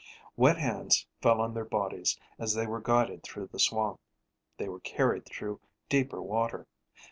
Wet hands fell on their bodies as they were guided through the swamp. They were being carried through deeper water.